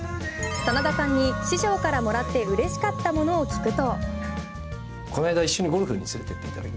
真田さんに師匠からもらって嬉しかった物を聞くと。